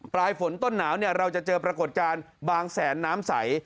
ปลายฝนต้นหนาวเราจะเจอปรากฏการณ์บางแสนน้ำใส